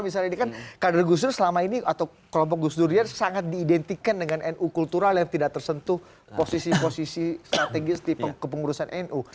misalnya ini kan kader gus dur selama ini atau kelompok gus durian sangat diidentikan dengan nu kultural yang tidak tersentuh posisi posisi strategis di kepengurusan nu